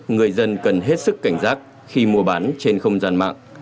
người dân cần hết sức cảnh giác khi mua bán trên không gian mạng